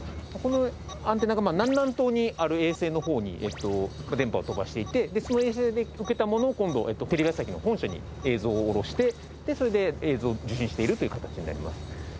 このアンテナが南南東にある衛星の方に電波を飛ばしていてその衛星で受けたものを今度テレビ朝日の本社に映像をおろしてそれで映像を受信しているという形になります。